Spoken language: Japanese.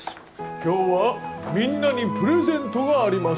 今日はみんなにプレゼントがあります。